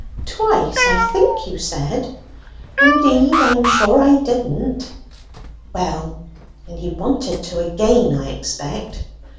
"Twice, I think you said?" "Indeed I'm sure I didn't." "Well, and he wanted to again, I expect."